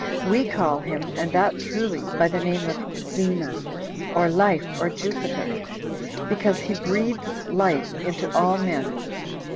We call him, and that truly, by the name of GREEK, [or life, or Jupiter,] because he breathes life into all men.